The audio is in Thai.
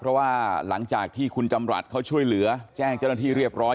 เพราะว่าหลังจากที่คุณจำรัฐเขาช่วยเหลือแจ้งเจ้าหน้าที่เรียบร้อย